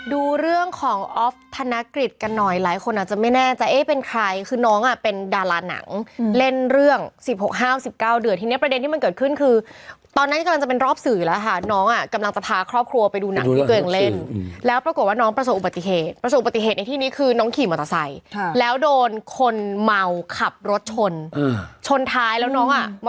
ดูเรื่องของออฟธนกฤษกันหน่อยหลายคนอาจจะไม่แน่ใจเป็นใครคือน้องอ่ะเป็นดาราหนังเล่นเรื่องสิบหกห้าวสิบเก้าเดือดที่นี่ประเด็นที่มันเกิดขึ้นคือตอนนั้นกำลังจะเป็นรอบสื่อแล้วค่ะน้องอ่ะกำลังจะพาครอบครัวไปดูหนังตัวเองเล่นแล้วปรากฏว่าน้องประสบอุบัติเหตุประสบอุบัติเหตุในที่นี้คือน้อง